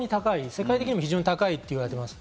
世界的にも高いと言われています。